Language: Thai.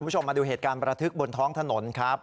คุณผู้ชมมาดูเหตุการณ์ประทึกบนท้องถนนครับ